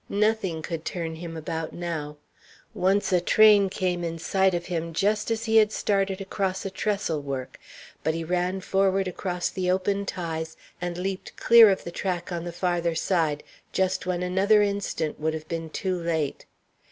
Nothing could turn him about now. Once a train came in sight in front of him just as he had started across a trestle work; but he ran forward across the open ties, and leaped clear of the track on the farther side, just when another instant would have been too late.